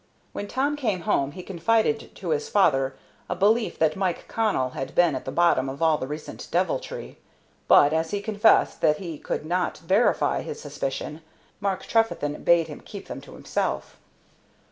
When Tom came home he confided to his father a belief that Mike Connell had been at the bottom of all the recent deviltry, but, as he confessed that he could not verify his suspicions, Mark Trefethen bade him keep them to himself.